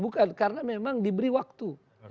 bukan karena memang diberi waktu